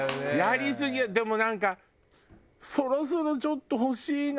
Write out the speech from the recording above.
でもなんかそろそろちょっと欲しいな。